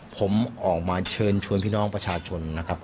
ผมออกมาเชิญชวนพี่น้องประชาชนนะครับ